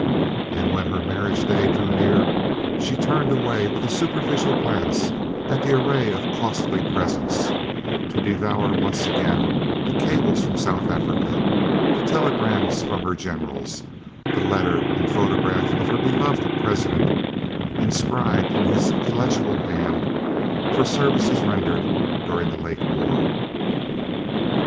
And when her marriage day drew near she turned away with a superficial glance at the array of costly presents, to devour once again the cables from South Africa, the telegrams from her Generals, the letter and the photograph of her beloved President, inscribed in his illegible hand, "For services rendered during the late war."